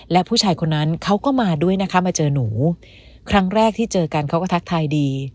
และผู้ชายคนนั้นเขาก็มาด้วยนะคะมาเจอหนูครั้งแรกที่เจอกันเขาก็ทักทายดี